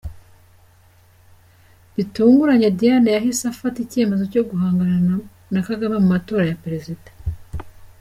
Bitunguranye Diane yahise afata icyemezo cyo guhangana na Kagame mu matora ya Perezida.